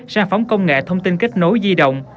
sản phẩm công nghệ thông tin kết nối di động